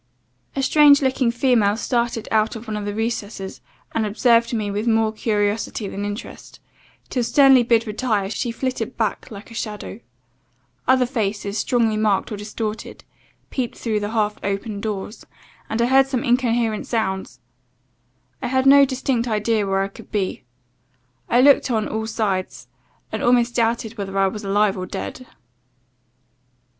"A strange looking female started out of one of the recesses, and observed me with more curiosity than interest; till, sternly bid retire, she flitted back like a shadow. Other faces, strongly marked, or distorted, peeped through the half opened doors, and I heard some incoherent sounds. I had no distinct idea where I could be I looked on all sides, and almost doubted whether I was alive or dead.